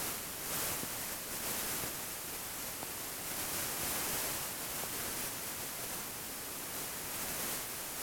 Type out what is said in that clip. Ubumenyi bwuzuye bwabanditsi bake hamwe ninsanganyamatsiko nkeya bifite agaciro kuruta ubwiganze bwa benshi muri benshi.